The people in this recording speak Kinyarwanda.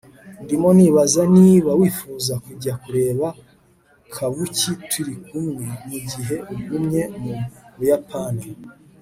ndimo nibaza niba wifuza kujya kureba kabuki turi kumwe mugihe ugumye mu buyapani